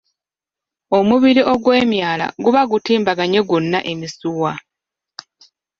Omubiri ogwemyala guba gutimbaganye gwonna emisiwa.